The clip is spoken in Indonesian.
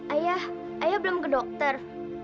ayah ayo belum ke dokter